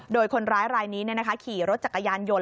โดยคนร้ายรายนี้ขี่รถจักรยานยนต์